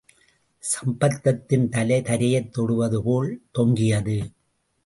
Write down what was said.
சம்பந்தத்தின் தலை, தரையைத் தொடப்போதுவது போல் தொங்கியது.